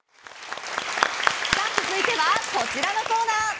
続いてはこちらのコーナー。